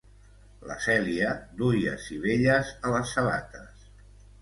La Celia duia sivelles a les sabates.